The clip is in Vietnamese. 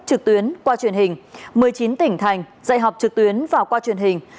trực tuyến qua truyền hình một mươi chín tỉnh thành dạy học trực tuyến và qua truyền hình